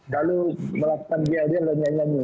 lalu melakukan diadil dan nyanyi nyanyi